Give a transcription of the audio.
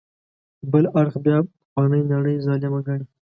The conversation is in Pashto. بل اړخ بیا پخوانۍ نړۍ ظالمه ګڼي.